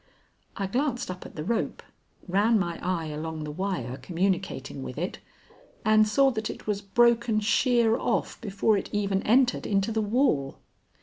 I glanced up at the rope, ran my eye along the wire communicating with it, and saw that it was broken sheer off before it even entered into the wall.